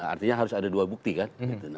artinya harus ada dua bukti kan